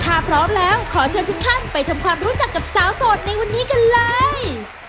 ถ้าพร้อมแล้วขอเชิญทุกท่านไปทำความรู้จักกับสาวโสดในวันนี้กันเลย